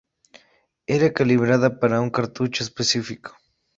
Está calibrada para un cartucho específico.